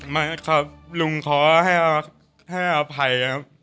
ไม่ครับลุงขอให้อภัยครับ